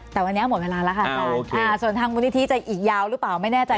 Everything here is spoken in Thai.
แต่วันนี้หมดเวลาแล้วค่ะอาจารย์ส่วนทางมูลนิธิจะอีกยาวหรือเปล่าไม่แน่ใจ